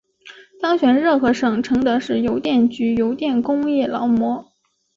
当选热河省承德市邮电局邮电工业劳模。